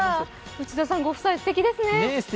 内田さんご夫妻すてきですね。